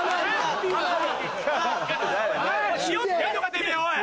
ひよってんのかてめぇおい！